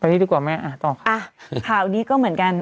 ไปดีกว่าแม่อ่ะต่อค่ะอ่ะข่าวนี้ก็เหมือนกัน